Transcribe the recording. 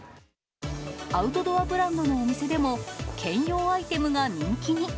アウトドアブランドのお店でも、兼用アイテムが人気に。